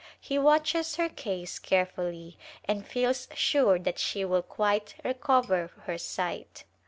He watches her case carefully and feels sure that she will quite recover her sight.